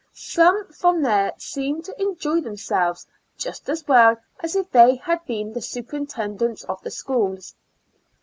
Some from there seemed to enjoy them selves just as well as if they had been the superintendents of the schools.